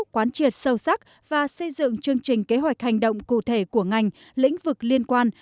quán triệt sâu sắc và xây dựng chương trình kế hoạch hành động cụ thể của ngành lĩnh vực liên quan